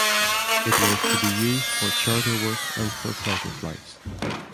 It was to be used for charter work and for pleasure flights.